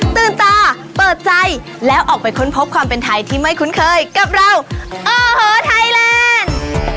ตื่นตาเปิดใจแล้วออกไปค้นพบความเป็นไทยที่ไม่คุ้นเคยกับเราโอ้โหไทยแลนด์